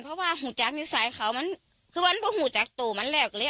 เพราะว่าหูจักรนิสัยเขามันคือว่านั้นพวกหูจักรตัวมันเรียกเลย